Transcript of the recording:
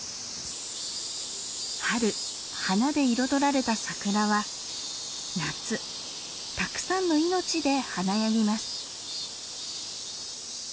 春花で彩られたサクラは夏たくさんの命で華やぎます。